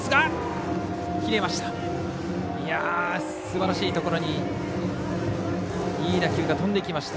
すばらしいところにいい打球が飛んでいきました。